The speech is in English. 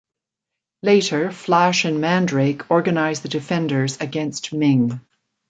Later, Flash and Mandrake organize the Defenders against Ming.